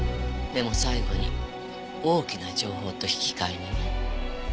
でも最後に大きな情報と引き換えにね。